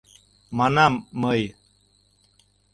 — манам мый.